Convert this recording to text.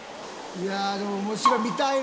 いやあでも面白い。